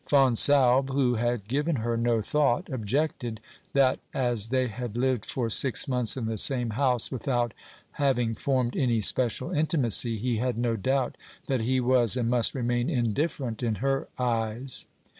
Fonsalbe, who had given her no thought, objected that as they had lived for six months in the same house without having formed any special intimacy he had no doubt that he was and must remain indifferent in her eyes.